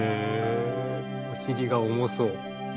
お尻が重そう。